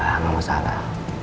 ya nggak masalah